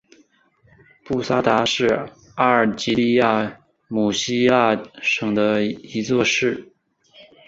布萨达是阿尔及利亚姆西拉省的一座城市。